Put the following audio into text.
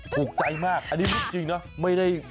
ถูกใจมากอันนี้จริงนะไม่ได้โปรดนะ